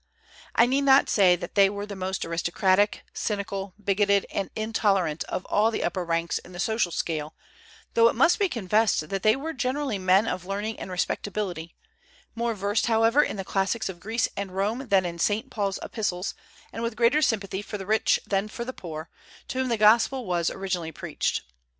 I need not say that they were the most aristocratic, cynical, bigoted, and intolerant of all the upper ranks in the social scale, though it must be confessed that they were generally men of learning and respectability, more versed, however, in the classics of Greece and Rome than in Saint Paul's epistles, and with greater sympathy for the rich than for the poor, to whom the gospel was originally preached.